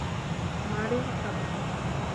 ماري ركضت.